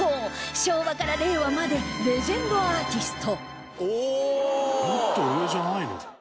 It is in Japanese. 昭和から令和までレジェンドアーティスト